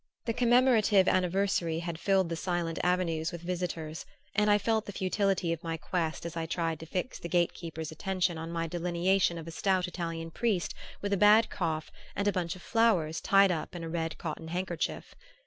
The commemorative anniversary had filled the silent avenues with visitors, and I felt the futility of my quest as I tried to fix the gatekeeper's attention on my delineation of a stout Italian priest with a bad cough and a bunch of flowers tied up in a red cotton handkerchief.